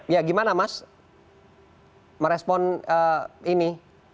ya gimana mas merespon ini